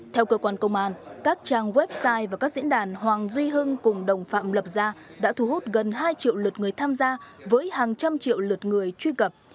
theo cơ quan công an các trang website và các diễn đàn hoàng duy hưng cùng đồng phạm lập ra đã thu hút gần hai triệu lượt người tham gia với hàng trăm triệu lượt người truy cập